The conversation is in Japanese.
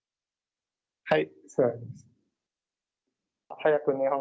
はい。